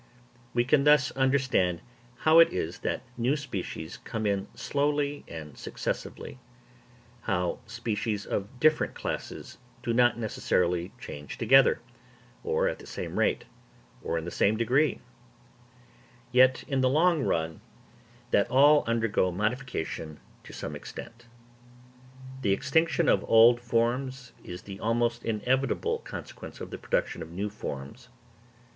We can thus understand how it is that new species come in slowly and successively; how species of different classes do not necessarily change together, or at the same rate, or in the same degree; yet in the long run that all undergo modification to some extent. The extinction of old forms is the almost inevitable consequence of the production of new forms.